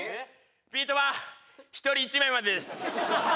ビート板１人１枚までです